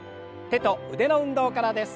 手と腕の運動からです。